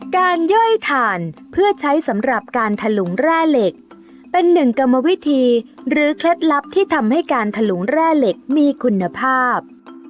ย่อยถ่านเพื่อใช้สำหรับการถลุงแร่เหล็กเป็นหนึ่งกรรมวิธีหรือเคล็ดลับที่ทำให้การถลุงแร่เหล็กมีคุณภาพ